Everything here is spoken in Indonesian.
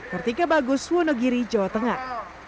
kartika bagus wonogiri jawa tengah